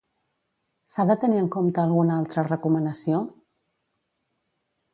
S'ha de tenir en compte alguna altra recomanació?